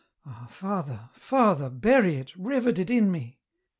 Ah, Father, Father, bury it, rivet it in me